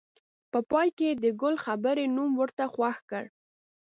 په پای کې یې د ګل خبرې نوم ورته خوښ کړ.